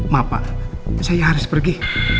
maaf pak saya harus pergi